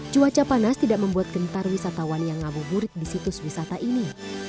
cuaca panas tidak membuat gentar wisatawan yang ngabuburit di situs wisata ini